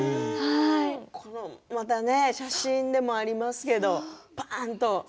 この写真でもありますけれどパーっと。